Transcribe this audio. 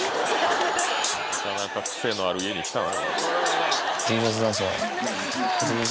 なかなか癖のある家に来たな。